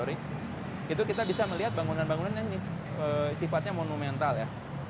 itu kita bisa melihat bangunan bangunan yang sifatnya monumental ya